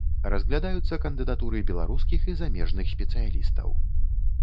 Разглядаюцца кандыдатуры беларускіх і замежных спецыялістаў.